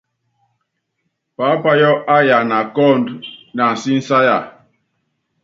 Paápayɔ́ áyana kɔ́ ɔɔ́nd na ansísáya.